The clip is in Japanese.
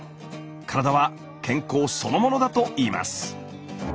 体は健康そのものだといいます。